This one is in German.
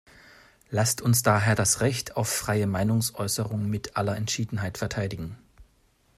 Lasst uns daher das Recht auf freie Meinungsäußerung mit aller Entschiedenheit verteidigen.